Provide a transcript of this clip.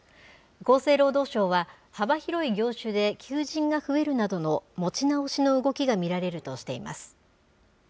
厚生労働省は、幅広い業種で求人が増えるなどの持ち直しの動きが見られるとしています。